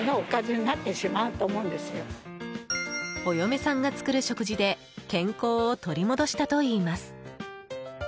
お嫁さんが作る食事で健康を取り戻したといいます。